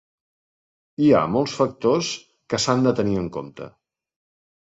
Hi ha molts factors que s’han de tenir en compte.